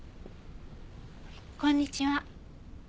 こんにちは。